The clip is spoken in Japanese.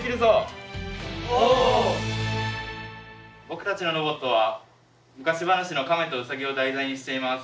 僕たちのロボットは昔話の「カメとウサギ」を題材にしています。